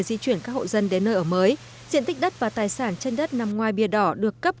di chuyển các hộ dân đến nơi ở mới diện tích đất và tài sản trên đất nằm ngoài bia đỏ được cấp